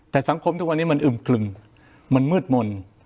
แต่สังคมทุกวันนี้มันอึมครึมมันมืดมนต์